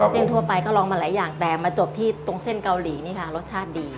เส้นทั่วไปก็ลองมาหลายอย่างแต่มาจบที่ตรงเส้นเกาหลีนี่ค่ะรสชาติดี